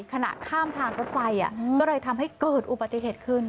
ขณะข้ามทางรถไฟก็เลยทำให้เกิดอุบัติเหตุขึ้น